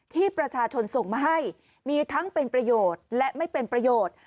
ที่ประชาชนส่งมาให้มีทั้งเป็นประโยชน์และไม่เป็นประโยชน์